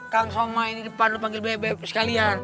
langsung main di depan lu panggil bebeb sekalian